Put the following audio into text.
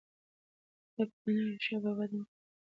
ایا په کندهار کې د احمد شاه بابا د مقبرې د لیدو اجازه شته؟